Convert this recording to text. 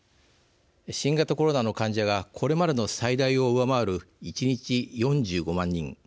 新型コロナの患者がこれまでの最大を上回る１日４５万人。